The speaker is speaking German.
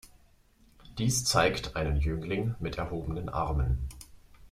Dies zeigt einen Jüngling mit erhobenen Armen.